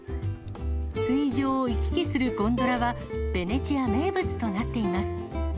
水上を行き来するゴンドラは、ベネチア名物となっています。